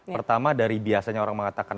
pertama dari biasanya orang mengatakan